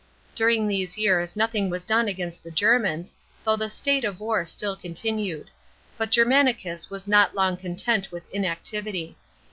During these years nothing was done against the Germans, though the state of war still continued ; but Germanicus was not long content with inactivity.